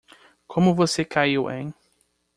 Como você caiu em?